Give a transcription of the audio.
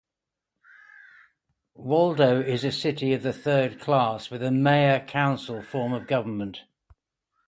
Waldo is a city of the third class with a mayor-council form of government.